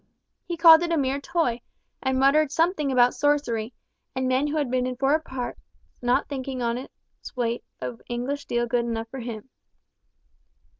He called it a mere toy, and muttered something about sorcery, and men who had been in foreign parts not thinking honest weight of English steel good enough for them.